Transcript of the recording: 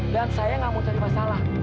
dan saya nggak mau cari masalah